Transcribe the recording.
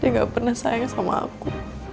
gak pernah sayang sama aku